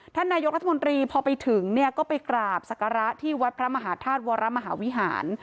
ท่านนายกรัฐมนตรีพอไปถึงเนี่ยก็ไปกราบศักระที่วัดพระมหาธาตุวรมหาวิหาร